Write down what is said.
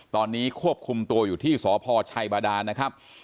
ตอนนี้ควบคุมตัวอยู่ที่สพชัยบาดานนะครับ